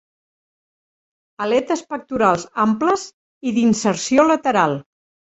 Aletes pectorals amples i d'inserció lateral.